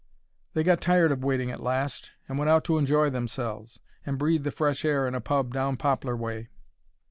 They got tired of waiting at last, and went out to enjoy themselves, and breathe the fresh air in a pub down Poplar way.